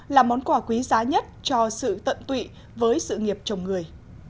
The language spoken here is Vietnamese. là món quà quý giá nhất cho sự tận tụy với sự nghiệp chồng người